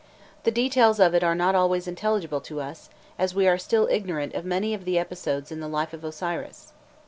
The details of it are not always intelligible to us, as we are still ignorant of many of the episodes in the life of Osiris.